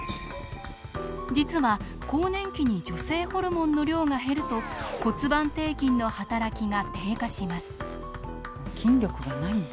実は更年期に女性ホルモンの量が減ると骨盤底筋の働きが低下します。